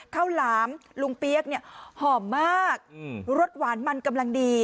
หลามลุงเปี๊ยกเนี่ยหอมมากรสหวานมันกำลังดี